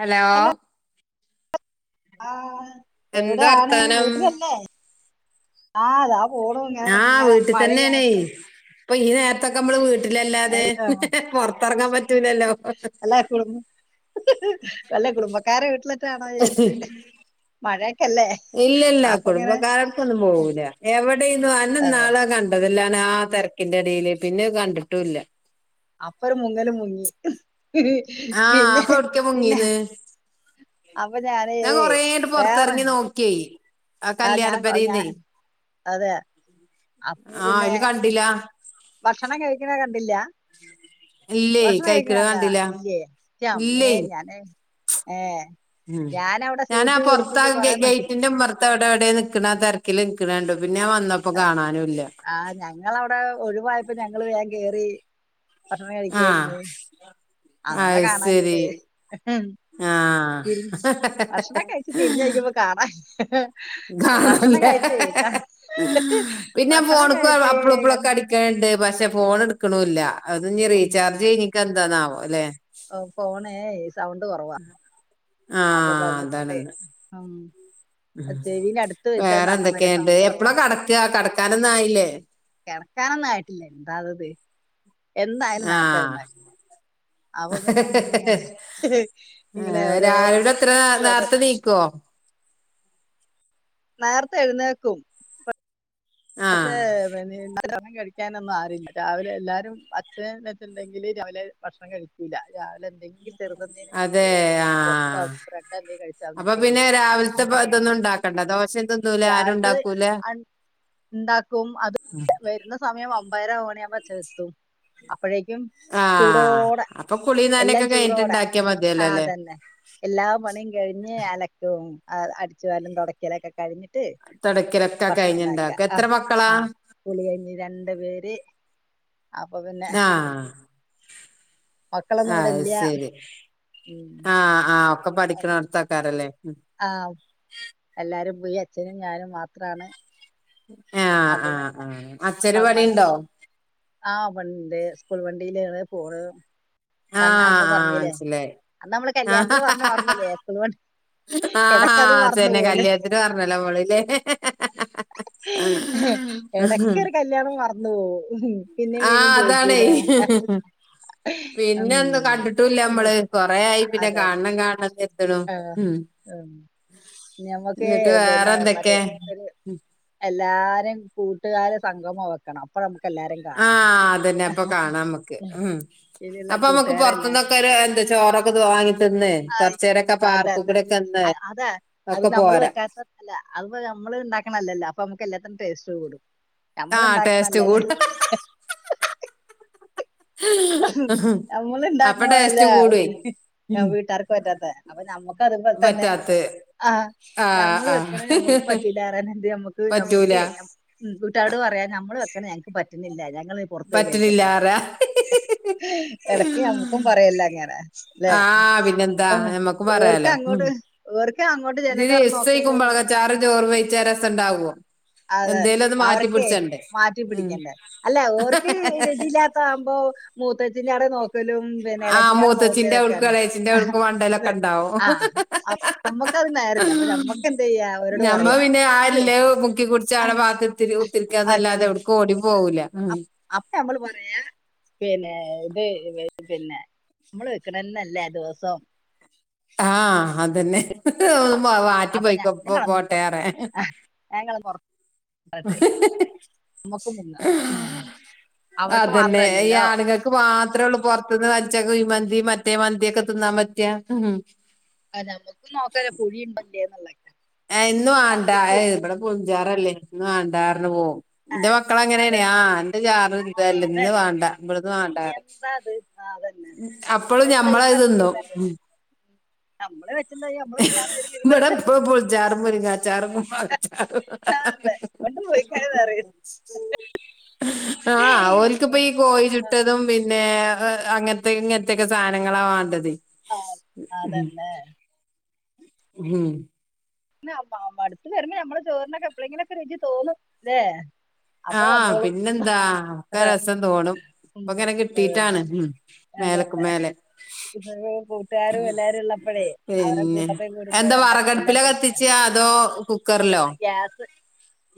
Hello ആ എന്താ എവിടെയാണ് വർത്താനം വീട്ടിലല്ലേ ആ താ പോണു ഇങ്ങനെ ആ ഇങ്ങനെ വീട്ടി തന്നെയണേ മഴയായിട്ടും ഇപ്പൊ ഈ നേരത്തൊക്കെമ്മള് വീ വീട്ടിലല്ലാതെ ആഹ് പൊറത്തിറങ്ങാൻ പറ്റൂലല്ലോ വല്ല കുടുംബക്കാരെ വീട്ടിലൊക്കേണോ വിചാരിച്ച്‌ മഴയ ഇല്ല ഇല്ല കൊടുംബ കാലർക്കൊന്നും പോകൂല എവിടേനു അന്നെ അതെ ന്നാളാ കണ്ടതല്ലെ ആ തിരക്കിന്റെടൽ പിന്നെ അ കണ്ടിട്ടുല്ല അപ്പ ഒരു മുങ്ങലും മുങ്ങി പി ആഹ് പിന്നെ അപ്പൊ എവിടക്കാ പിന്നെ മുങ്ങീന്ന് അപ്പൊ ഞാനേ ഞാൻ കൊറേയിട്ട് വേറെ പൊറത്തിറങ്ങി നോക്കിയേ ആ കല്യാണ ഞാൻ ഞാ പെരേന്നെ അതെ അപ്പൊ ആഹ് പിന്നെ അയില് കണ്ടില്ല ഭക്ഷണം കഴിക്കണ കണ്ടില്ല ഇല്ല ഭക്ഷണം കഴിക്കണ കഴിക്ക്‌ണെ കണ്ടാ കണ്ടില്ല ഇല്ലേ ന്റമ്മേ ഇല്ലേ ഞാന് ഏഹ് ഞാനവിടെ ഞാനാ സീറ്റ് പൊറത്താ പിടിച്ചിട്ട് കൊറേ നോക്കി ഗേറ്റിന്റെ ഉമ്മറ അ അവിടെവിടെ നിക്കണെ തെരക്ക്‌ൽ നിക്ക്‌ണണ്ട് ആ ആ ഞങ്ങവിടെ ഒഴിവായപ്പോ ഞങ്ങൾ വേഗം കേറി ഭക്ഷണം ആഹ് കഴിക്കായിരുന്ന് അതോണ്ട അത് കാണാനത് ശരി ആഹ് തിരി ഭക്ഷണം കഴച്ച് തിരിഞ്ഞൊഴിക്കെ പ്പൊ കാണാല്ല ഹ കാണണ്ടെ ഹ ഹ ഹ പിന്നെ ഭക്ഷണം ഫോണക്കോ കഴിച്ച് അപ്പളോ ഇപ്പളൊക്കെ അടിക്കണ്ണ്ണ്ട് പക്ഷെ ഫോൺ എടുക്കുണൂല്ല അത്ഞ്ഞി ഉം റീചാർജ് കയ്ഞ്ഞിക്ക എന്താന്നാവോ ല്ലെ യ് സൗണ്ട് കുറവാ അപ്പൊ ആഹ് പർണ കണ്ടെ അതാണ്ന്ന് ത്തേരിന്റെ അടുത്ത് വെച്ച് വേറെ പറഞ്ഞ മാര്യ എന്തൊക്കെയുണ്ട് സൗണ്ട് കുറവാ എപ്പളാ കടക്ക കടക്കാനൊന്നും ആയില്ലേ കിടക്കാനൊന്നും ആയിട്ടില്ല എന്താ ഇത് എന്തായാലും ആഹ് നേർത്തെരുന്ന അപ്പൊ പിന്നെ ഇങ്ങനെ ഇങ്ങനെ ഓരോ രാവിലെ എത്ര നേരത്തെ നീക്കോ നേരത്തെ എഴുന്നേക്കും പക്ഷെ ആഹ് പി [unintelligible] ഭക്ഷണം കഴിക്കാനൊന്നും ആരുല്ല രാവിലെ എല്ലാരും അച്ഛന എയ്നേറ്റ്ണ്ടെങ്കില് രാവിലെ ഭക്ഷണം കഴിക്കൂല്ല രാവ ല എന്തെങ്കി അതെ ആ ബ്രെഡ് എന്തേലും കഴിച്ച് അങ്ങ് അപ്പൊ പിന്നെ പോകും രാവിത്തെപ്പ അപ്പൊ ഇതൊന്നും ഇണ്ടാക്ക ദോശ തിന്നൂല്ല രാവിലത്തെ ആരുണ്ടാക്കൂല ഉണ്ടാക്കും അത് വരുന്ന സമയം ഒമ്പര മണിയ ആവുമ്പോ ചെത്തും അപ്പോഴേക്കും ആഹ് ചൂടോടെ അപ്പൊ കുളി എല്ലാം നനയൊക്കെ കഴിഞ്ഞിട്ട് ചൂടോടെ ഇണ്ടാക്കിയാ മതിയല്ലോ ആ അല്ലേ അതന്നെ എല്ലാ പണിയും കഴിഞ്ഞ് അലക്കും അടിച്ചു കാലും തുടക്കലൊക്കെ കഴിഞ്ഞ് തുടക്കിലൊക്കെ കഴിഞ്ഞിണ്ട ആ ആ കുളികഴഞ്ഞി രണ്ടു പേര് അപ്പൊ പിന്നെ ആഹ് മക്കളൊന്നും ഇവിടെ അത് ഇല്ല ശരി മ് ആഹ് ആഹ് ഒക്കെ പഠിക്ക്‌ണോടത്തക്കാരല്ലേ ആ എല്ലാരും ബി അച്ഛനും ഞാനും മാത്രാണ് ആ അപ്പൊ ആ പിന്നെ ആ അച്ഛന് പ- പ- പണിണ്ടോ ആ വണ്ട് സ്കൂൾ വണ്ടിയിലാണ് പോണ് കണ് ആഹ് അന്ന് ആഹ് പറഞ്ഞല്ലേ മനസ്സിലായി അന്ന് നമ്മള് കല്യാണത്തിന് പറഞ്ഞ ഓർമ്മല്ലേ സ്കൂ ആ അ തന്നെ കല്യാണത്തിന് പറഞ്ഞല്ലോ നമ്മള്ല്ലേ ഇടക്കൊ ഒരു കല്യാണം മറന്നു പോവു ആ അതാണേ പിന്നെ ഉം ഒന്നും കണ്ടിട്ടുല്ല നമ്മള് കൊറ ആയി പിന്നെ കാണം കാണം ആ മ് ഞങ്ങക്കെ എന്നിട്ട് വേറെ പിന്നെ മറ്റേ എന്തൊക്കെ ഒരു എല്ലാരും കൂട്ടുകാരെ സംഗമം വെക്കണം അപ്പ ആ അതന്നെ അപ്പ കാണാ നമ്മക്ക് ഉം. മ് ഇനിയുള്ള അപ്പൊ നമ്മുക്ക് കൂട്ടുകാരെ പുറത്തു എല്ലാരും നിന്നൊക്കെ വിളിച്ചിട്ട് എന്താ ചോറൊക്കെ വാങ്ങിതിന്ന് ആയി കൊറച്ചേരൊക്കെ പാർക്ക്‌ അതന്നെ കുടെക്കെ അതാ അത് നമ്മള് വെക്കാത്തല്ല അത് നമ്മള് ഇണ്ടാക്കണല്ലല്ലോ അപ്പൊ നമുക്ക് എല്ലാത്തിനും ടേസ്റ്റ് കൂടും ആ നമ്മള് ടേസ്റ്റ് ഉണ്ടാക്കണല്ലല്ലേ കൂടും ഹ [unintelligible] [inaudible] നമ്മള് അപ്പൊ ടേസ്റ്റ് ഇണ്ടാക്കുമ്പോഴല്ലേ കൂടുവേ വീട്ടാർക്ക് പറ്റാത്ത അപ്പൊ നമ്മക്ക് അത് പറ്റാത്ത് ആഹ് നമ്മള് വെക്കണ നമ്മുക്കും പറ്റൂല ആറാൻ്റെ നമ്മക്ക് പറ്റൂല നമ്മുക്ക് കൂട്ട്യാളോട് പറ അ നമ്മള് വെക്കണെ നങ്ങക്ക് പറ്റുന്നില്ല ഞങ്ങള് പുറത്തു പോയി പറ്റലില്ല കഴിക്കട്ടെ അറയ ഹി ഹി ഇടക്ക് നമ്മുക്കും പറയല്ല അങ്ങനെ ല്ലേ ന്താ നമ്മക്കും പറയാലോ ഓർക്ക് അങ്ങോട്ട് ഇത് ജനല് തുറന്ന് ദിവസം ഈ നോക്കലും ക്കുമ്പളങ്ങചാറും ചോറും രസ ണ്ടാവോ അതെ അവർക്കെ മാറ്റി ഉം പിടിക്കേണ്ട അല്ലേ ഓർക്ക് രതിയില്ലാത്ത ആകുമ്പോ മൂത്തച്ച്ചിന്റാടെ നോക്ക ലും പിന്നെ ഇളേച്ച ആഹ് കാരെ മൂത്തച്ചിന്റെ അവ്ട്ക്കും നോക്കലൊക്കെയാണ് എളേച്ചിന്റെ അവ്ട്ക്കും ഇത് മണ്ടലൊക്കെ ഇണ്ടാവും ആ ആ അപ്പ അത് നേരല്ല അപ്പൊ നമ്മക്ക് എന്ത് ചെയ്യ അവരോട് ഞമ്മ പറയാ പിന്നെ ആ ഇത് ഇല്ലേ മുക്കി കുടിച്ച് ആ ആടെ ഭാത്ത് കുത്തിരി അത് കുത്തിരിക്കാന്നല്ലാതെ എവ്ട്ക്കും ഓടി പോവൂല ഉം അപ്പ നമ്മള് പറയ പിന്നെ ഇത് പിന്നെ നമ്മള് വെക്കണന്നല്ലേ ദിവസം ആ അതെന്നെ [unintelligible] വാറ്റി അപ്പൊ ഞ പോയ്കൊ ഇപോ പോട്ടേറെ അട്ടെ നമ്മുക്ക് മുങ്ങ മ് അതന്നെ ഈ ആണുങ്ങൾക്ക് മാത്രള്ളു പൊറത്തുന്ന് വെച്ച കുഴിമന്തി മറ്റേ മന്തി ഒക്കെ തിന്ന പറ്റാ ആ നമുക്ക് നോക്കലെ കുഴി ഉണ്ടകേന്നിള്ള ആ ഇന്ന് വാണ്ടാ അ് ഇവിടെ പുളിഞ്ചാറല്ലേ ഇന്ന് വണ്ടാ പറഞ്ഞ് പോകും എന്റെ മക്കള അത് അങ്ങനെയാണ ആ എന്റെ ചാറ ആഹ് ല്ലെന്ന് അതന്നെ ന്ന് വാണ്ട ഇപ് ട്ന്ന് വാണ്ടാന്ന് പറയും എന്താ അത് ആഹ് അതന്നെ അപ്പളും എന്താ ഇവിടെ ഞമ്മളത് എപ്പഴും തിന്നും തന്നെ നമ്മള് വെച്ചെന്താ ചെയ്യാ നമ്മള് പ്ടെ തിന്നാതെ ഇപ്പളും പുളിച്ചാറും മുരിങ്ങാ ചാറും മാങ്ങ ചാറും ഹ് കൊണ്ട് ഹ് ഹ് പോയിക്കാന്ന് ഹ് പറയും [unintelligible] ആഹ് ഓൽക്പ്പൊ‌ ഈ കോഴി ആഹ് ചുട്ടതും പിന്നെ അങ്ങനത്തെ ഇങ്ങനത്തെൊക്കെ സാനങ്ങളാ വാണ്ടത് ആഅതന്നെ ഹം അടുത്ത് വരമ്പൊ നമ്മെളെ ചോറിനൊക്കെപ്പളെങ്കിലൊക്കെ രുചി തോന്നുംല്ലേ ആഹ പിന്നെന്താ ഒക്കെ രസം തോണും ഉം അപ്പൊങ്ങനെ കിട്ടീറ്റാണ് അതന്നെ മേലക്കു അതന്നെ മ്മേലെ ഇപ്പൊ കൂട്ടുകാരും എല്ലാരും ഉള്ളപ്പഴേ അവരെ പിന്നെ കൂട്ടത്തി കൂടുമ്പോ എന്താ എല്ലാ എല്ലാം വറകടുപ്പിലാ കെത്തി ടേസ്റ്റാ ച് അതോ കുക്കറിലോ ഗ്യാസ്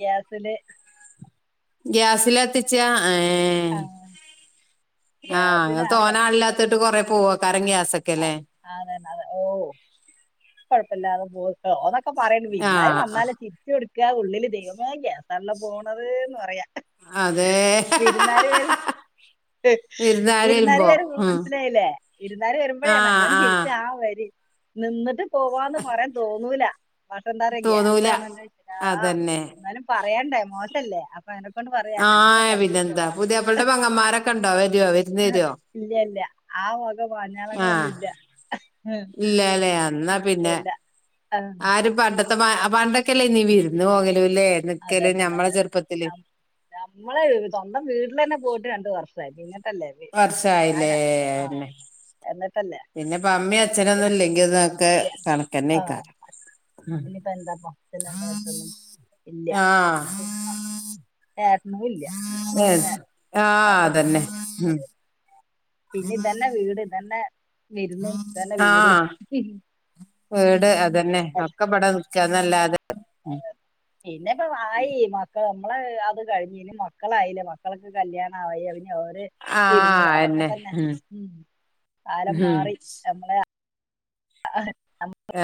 ഗ്യാസില് ഗ്യാസില കത്തിച്ച ഏഹ് ആഹ് ആ ഇങ്ങള് ഗ്യാസിലാണ് തോനെ കത്തിക്കുന്നത് ആളില്ലാതോണ്ട് കൊറെ പോവാ പറഞ്ഞ ആസക് [unintelligible] ആഹ് അതന്നെ അതെ ഓ കൊഴപ്പില്ലാതെ പോവു ഒപ്പൊ പറയ വിരിന്നാര് ആഹ് വന്നാല് ചിരിച്ച കൊടുക്കുക ഉള്ളില് ദൈവമെ ഗ്യസ ല്ലേ പോണത് ന്ന് പറയാ അതെ ഹ് ഹാ ഹ [unintelligible] വിരുന്നാർ വരുമ്പൊ ഉം മനസ്സിലായില്ലേ വിരുന്നാർ വരുമ്പോഴേ ആഹ് നല്ല ചരിച്ച ആഹ് ആ വരി നിന്നിട്ട് പോവാന്ന് പറയാൻ തോന്നൂല പക്ഷെ എന്താ പറ ഗ്യാസ് തോന്നൂല ആണല്ലോ വി അതന്നെ എന്നാലും പറയണ്ടേ മോശല്ലേ അപ്പൊ അങ്ങനെ ആ പിന്നെന്താ പുതിയപ്പളടെ പങ്ങന്മാരൊക്കെ ഉണ്ടോ വര്യോ വിരുന്ന് വര്യോ ഇല്ല ഇല്ല ആ വക മാഞ്ഞാളങ്ങളൊന്നും ല്ല ഇല്ലല്ലേ എന്നാ ഇല്ല പിന്നെ ഇല്ല ആ, ആരും പണ്ട പണ്ടൊക്കെല്ലേ നീ വിരുന്നു പോ അതല്ലെ അതല്ലെ ന നമ്മളെ സ്വന്തം വീട്ടില് തന്നെ പോയിട്ട് രണ്ട് വർഷം ആ വർഷയിലേന്നെ എന്നിട്ടല്ലേ പിന്നെ ഇപ്പ അമ്മിയ അച്ഛനൊന്നും ഇല്ല ഇല്ലെങ്കി അനക്കെ ആ കണക്കന്നെക് ഉം ഇനിയിപ്പോ എന്താപ്പം പിന്നെ എന്താ അടുത്തൊന്നും ഇല്ല ആഹ് പിന്നെ ഏട്ടനും ഇല്ല ഏ പിന്നെ ആഹ് അപ്പൊ പിന്നെ അതന്നെ ഉം ഒരു- പിന്നെ ഇതന്നെ വീട് ഇതന്നെ വരുന്നു ഇതന്നെ വീടും ആഹ് വീട് അതന്നെ ഒക്കെ ഇബടെ നിക്കാന്നല്ലാതെ ഉം പിന്നെപ്പ വായി [unintelligible] [unintelligible] അത് കഴിഞ്ഞ മക്കളായില്ല മക്കൾക്ക് കല്യാണായി [unintelligible] [unintelligible] വിരുന്ന് ആഹ് അതൊക്കെ അയന്നെ തന്നെ ഉം കാലം ഉം മാറി നമ്മളെ [unintelligible]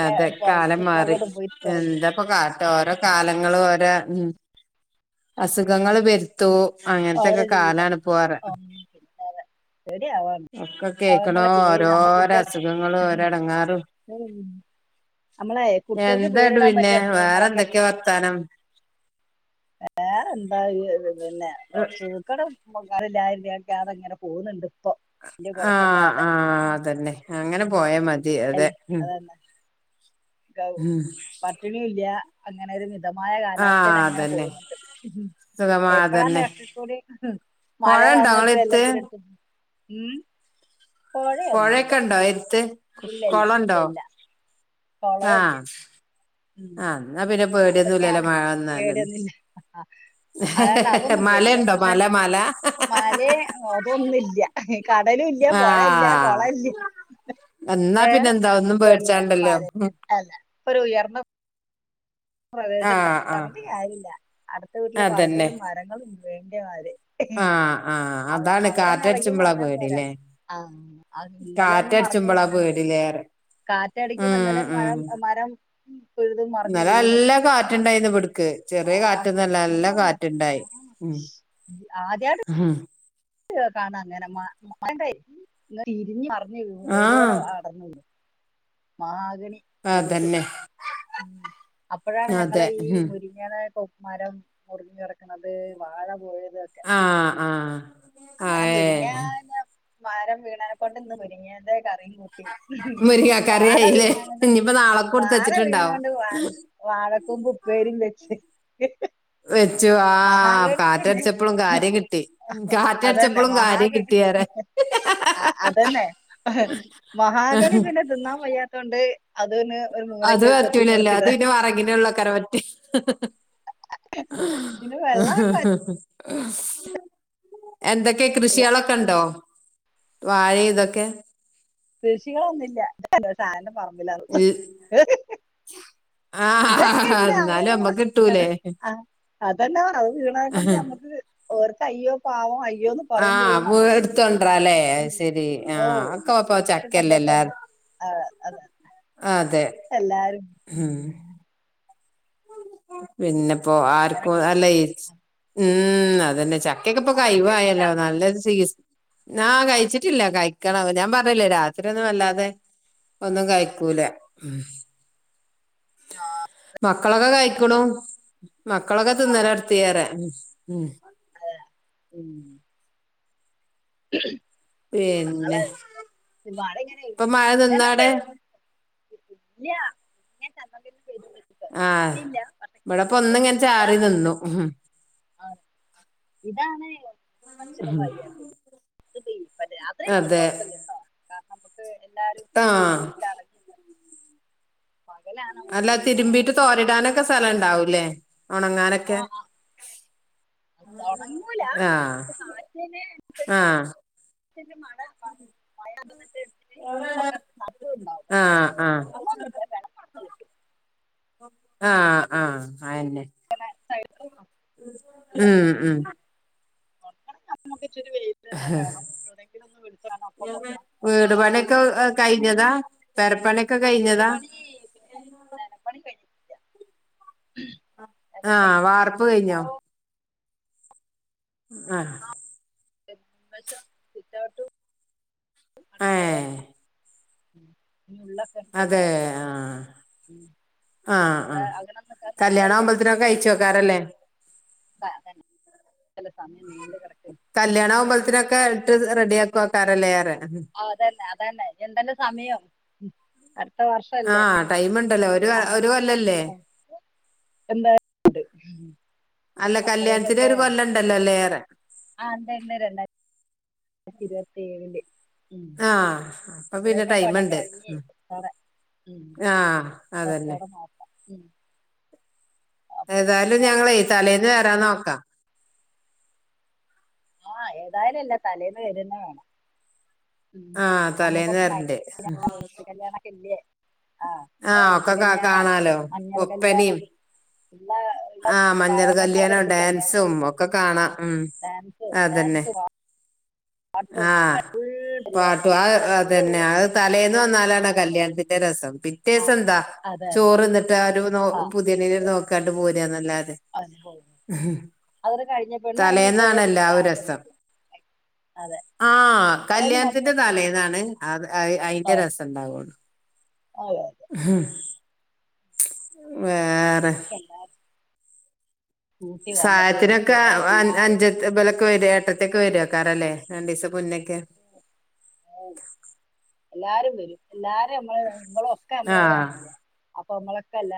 അതെ കാലം മാറി പുറത്തോട്ട് പോയി തുടങ്ങി എന്താപ്പൊ കാട്ട ഓരോ [unintelligible] [unintelligible] ഓര ഉം അസുഖങ്ങള് വരുത്തോ അങ്ങനതൊക്കെ അവരുടെ ജീവിതം കാലാണ് പോവാറ് ഉം. പിന്നെ പേടിയാ ഒക്കെ കേക്കണൊ അവങ്ങളുടെ പേര് നമ്മൾ ഓരോരസുഖങ്ങളും ഓരടങ്ങാറും [inaudible] നമ്മളെ കുട്ടികൾക്ക് എന്താണ്ട് പേരിടാൻ പിന്നെ പറ്റിയ വേറെ അസുഖങ്ങളൊക്കെ എന്തൊക്കെയാ വർത്താനം ഏ എന്താ [unintelligible] പിന്നെ സൂക്കടും ആയില്ല ആയില്ല [unintelligible] അതെങ്ങനെ പോകുന്നുണ്ട് ഇപ്പൊ വലിയ ആഹ് കുഴപ്പമില്ലാതെ ആഹ് അതന്നെ അങ്ങനെ പോയ മതി അതെ ഉം ഉം പട്ടിണി ഇല്ല അങ്ങനെ ഒരു [inaudible] [unintelligible] ആഹ് കാലാവസ്ഥയിൽ അങ്ങനെ അതന്നെ പോകന്നുണ്ട് സുഖമാ എപ്പോഴാണ് അതന്നെ ഒക്കെ കൂടി മഴ പൊഴണ്ടോ വന്നിട്ട് എല്ലാം ഇങ്ങളെടുത്ത് കൂടി എടുത്തി മ് പുഴയൊക്കെ ഇണ്ടോ എടുത്ത് ഇല്ല ഇല്ല ഇല്ല കൊളണ്ടോ ഇല്ല കുളവും ഇല്ല ആഹ് ഉം ആഹ് [unintelligible] പേടിയൊന്നുല്ലല്ലോ അതൊക്കെയാണ് മഴ വന്നാല് പേടിയന്നില്ല [unintelligible] അതണ്ട് അതൊന്നും പേടില്ല മലയുണ്ടോ പക്ഷെ മല മല മലയെ അതൊന്നില്ല കടലും ഇല്ല പുഴ ഇല്ല കുള ആഹ് ഇല്ല [unintelligible] എന്നാ പിന്നെ എന്താ ഒന്നും പിന്നെ പേടിച്ചാണ്ടല്ലോ മാല ഉം അല്ല ഒരു ഉയർന്ന പ്രദേശത്ത് ആഹ് ആഹ് പറഞ്ഞട്ട് കാര്യല്ല അടുത്ത വീട്ടില് അതന്നെ പറമ്പിലും മരങ്ങളും വേണ്ടിയ [unintelligible] ആഹ് ആഹ് അതാണ് കാറ്റടിച്ച്പളാ പേട്യല്ലേ ആഹ് അത് ഇന്നലെ ഒന്നു [unintelligible] പേടിലേറെ കാറ്റടക്ക് വന്നാലൊരു മഴ മരം പിഴുതും മറിഞ്ഞ് ഇന്നല വീണ് നല്ല കാറ്റുണ്ടായിന്ന് ഇവ്ടുക്ക് ആ ചെറിയ കാറ്റൊന്നല്ല നല്ല വമ്പൻ കാറ്റ് ആ കാറ്റുണ്ടായി ഉം ആദ്യായിട്ടാ [unintelligible] കാണാ അങ്ങനെ [unintelligible] വേരോടെ ആഹ് അടന്നു മഹാഗണി ആതന്നെ ഉംഅപ്പോഴാണ് ഞങ്ങള ഈ മുരിങ്ങാലെ മരം മുറിഞ്ഞ കിറക്കുന്നത് വാഴ [unintelligible] [unintelligible] ആഹ് ആഹ് അങ്ങനെ ആഹ് ഏഹ് മുരിങ്ങന്ന മാരം വീണാനെ കൊണ്ട് ഇന്ന് മുരുങ്ങേ ൻ്റെ കറീം കൂട്ടി മുരിങ്ങക്കറി വാഴ ആയില്ലേ [unintelligible] ഇനിയിപ്പോ നാളെക്ക് [unintelligible] കൊടുത്തച്ചിട്ടുണ്ടാവും വ വാഴകൂമ്പ് ഉപ്പേ രിം വെച്ച് വെച്ചു ആ മഹാഗണി തന്നെ കാറ്റടിച്ചപ്പോഴും കാര്യം കിട്ടി അതന്നെ കാറ്റടിച്ചപ്പോഴും കാര്യം മഹാഗണി കിട്ടിയേറെ ആ അതന്നെ മഹാഗണി പിന്നെ തിന്നാൻ വയ്യാത്തോണ്ട് അതിന് ഒരു [unintelligible] ഇലല്ലോ അത് പിന്നെ വറകിന് ഉള്ള വെക്കാനെ പറ്റു പിന്നെ ഹ് വെള്ളം ഹ് ഹ് എന്തൊക്കെ കൃഷികളൊക്കെ ഉണ്ടോ വാഴയിതൊക്കെ കൃഷികളൊന്നുമില്ല ഷാന്റെ പറമ്പിലാന്ന് ഇ- ആ ഇതൊക്കെ ഇണ്ട് എന്നാലും ആരാന്ന് പറ നമ്മക്ക് കിട്ടൂലേ അ അതന്നെ പറ വീണത് കൊണ്ട് ഞ അത് [unintelligible] അയ്യോ പാവോം അയി അയ്യോന്ന് ആ പറയും ചെയ്യും വീ- നമ്മുക്കു എടുത്തോണ്ടല്ലേ [unintelligible] ശരി ആ ഓ ഒക്കെ ഇപ്പൊ നമുക്ക് പണ്ടേ ചക്കല്ലേ തന്ന് എല്ലാരും അ അതെന്നെ അതെ എല്ലാരും ഉം മ് പിന്നെപ്പോ അങ്ങനെ ആർക്കും പോയി. അല്ലൈ മ് അതന്നെ ച നിങ്ങക്കിപ്പോ ഭക്ഷണം കഴിച്ചാ കഴിവായാല്ലോ നല്ലത് ചെയ്യ് സീ ആ കൈച്ചിട്ടില്ല കൈക്കണം ഞാൻ പറഞ്ഞില്ലേ രാത്രി ഒന്നും വല്ലാതെ ഒന്നും കയക്കൂല ഉം മക്കളൊക്കെ കയിക്കണു മക്കളൊക്കെ തിന്നലടുത്തിയാറെ ആ മ് മ് പിന്നെ നാളെ വടെ ഇങ്ങനെ ഇപ്പൊ മഴ നിന്നാടെ [unintelligible] ഇല്ല്യാ ആ പക്ഷെ ഇങ്ങനെ ഇവിടിപ്പോന്നിങ്ങനെ പെയ്തോണ്ടിരിക്കും ചാറി ഇതാണ് നിന്നു സൈ- മ് ആ ഇതാണ് മൻഷന് വയ്യാത്തത് [unintelligible] രാത്രിണ്ടെങ്കി കൊഴപ്പില്ലല്ലോ അ ആ അടങ്ങി പകലാണ് നമുക്ക് അല്ല ബുദ്ധിമുട്ട് തിരുമ്പീട്ട് തോരിടാനൊക്കെ സലം ഇണ്ടാവുംല്ലേ ആ ഒണങ്ങാനൊക്കെ ആ, അത് ഉണങ്ങൂല ആ നമുക്ക് കാറ്റിന് ആ [unintelligible] ഒക്കെ ഉണ്ടാവും അ പക്ഷെ അ ഉണങ്ങൊന്നില്ല വെള്ളമാണ് കിട്ടും ആ ആ അയന്നെ ഇങ്ങനെ സൈഡ അ മ് മ് ഉണക്കണം നമുക്ക് ഇച്ചിരി വെയിൽ തന്നെ ഹ് വേണം എവിടെയെങ്കിലും ഒന്ന് വിളിച്ചു വേണം അപ്പം കൊണ്ടിടാം പുറത്ത് വീടു കൊണ്ടിടാൻ പണൊക്കെ എ കഴിഞ്ഞതാ പെരപ്പണൊ വീട് പണി പിന്ന നെലപ്പണി കഴഞ്ഞിട്ടില്ല ആ വാർപ്പ് കഴിഞ്ഞോ ആഹ് [unintelligible] ശ പിറ്റാട്ടു അടക്കളയാ ഏഹ് ഉം ഇ ഉള്ളൊക്കെ ഇതായിരിക്കും ഉ ആ ആ കല്ല്യാണകുമ്പലത്തിനെ കഴിച്ച് വെക്കാനല്ലേ അ അതന്നെ ചെല സമയം നീണ്ട് കല്യാണകുമമ്പലത്തിനൊക്കെ ഇട്ട് റെഡിയ ആക്കുവെക്കാറല്ലേ ചെയ്യാറ് ആ അതന്നെ അതന്നെ ന്തണ്ട് സമയം മ് ആ ടൈമുണ്ടല്ലോ ഒരു ആ ഒരു കൊല്ലല്ലേ ആ. എന്താ ഇണ്ട് അല്ല കല്യാണത്തിന് ഒരു കൊല്ലം ഇണ്ടല്ലോ ല്ലേ ഏറെ ആ ഉണ്ട് ഉണ്ട് രണ്ടായിരത്തി ഇരുപത്തിയേഴില് ഉം ആഹ് അപ്പൊ ഇപ്പോഴേക്കെ പണിയൊക്കെ കഴഞ്ഞ് ആ അതന്നെ നോക്കാം ഉം അപ്പൊ പിന്നെ ഏതായാലും ഇങ്ങനെ ഞങ്ങളേ തലേന്ന് വരാനോക്കാം ആഹ് ഏതായാലല്ല തലേന്ന് വരിന്നേ ഉം ആഹ് നമ്മക്ക് തലേന്ന് കൊറച്ച് വരണ്ട് [unintelligible] മഞ്ഞകല്ല്യാണൊക്കില്ലേ? ആ.... ഒക്കെ കാണാലോ മഞ്ഞൾ ഒപ്പനേം കല്യാണം ഉള്ള ആ മഞ്ഞൾ പഴകങ്ങളൊക്കെ കല്യാണോം എടുത്ത് കല്യാണം ഡാൻസും ഒക്കെ കാണാം ആഹ് ഉം ഡാൻസും അതെന്നെ ഡാൻസും പാട്ടും ആ പാട്ടു ആ അതന്നെ അത് എന്തെങ്കിലും തലേന്ന് വന്നാലാണാ ആഘോഷം കല്യാണത്തിന്റെ രസം ആഹ് പിറ്റേസെന്താ അതെ അതെ ചോറ്ന്നിട്ട് ആ ഒരു നോ ആഹ് പുതിയണ്ണിനെ നോക്കാണ്ട് പോര്യാന്നല്ലാ അതിന് പോകും ഉം അതൊക്കെ കഴിഞ്ഞ പെണ്ണ് ഇറങ്ങി പോയാ തലേന്നാണലാ പിന്നെ ഒരസം ആഘോഷമില്ല അതെ ആഹ് ആഹ് തലേന്ന് വന്ന കല്യാണത്തിന്റെ പരിപാടി തലേന്നാണ് അത് അയി അയിന്റെ ആഹ് രസണ്ടാവൊള്ളു അതെ അതെ ഹും വേ ഒക്കെ എല്ലാരും കൂട്ടി വന്നിട്ട് നമുക്ക് സായത്തിനൊക്കെ ആഹ് എല്ലാരും അഞ്ചത്ത് ബലൊക്കെ വര്യാ ത്തേക്ക് വരൂക്കാറല്ലേ രണ്ടീസം മുന്നൊക്കെ എല്ലാരും വരും എല്ലാരും അമ്മളെ നിങ്ങളൊക്കെ ആഹ് നമ്മളെതന്നല്ലേ അപ്പൊങ്ങളൊക്കെ എല്ലാ